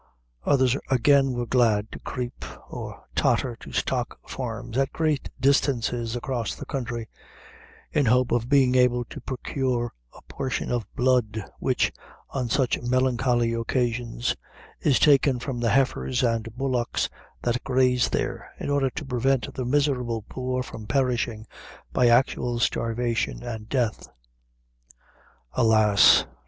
Others, again, were glad to creep or totter to stock farms, at great distances across the country, in hope of being able to procure a portion of blood, which, on such melancholy occasions, is taken from the heifers and bullocks that graze there, in order to prevent the miserable poor from perishing by actual starvation and death. Alas!